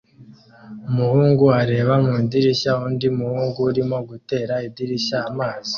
Umuhungu areba mu idirishya undi muhungu urimo gutera idirishya amazi